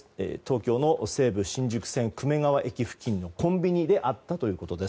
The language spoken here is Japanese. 東京の西武新宿線久米川駅付近のコンビニで会ったということです。